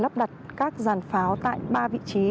lắp đặt các giàn pháo tại ba vị trí